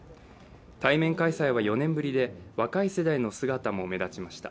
対面開催は４年ぶりで若い世代の姿も目立ちました。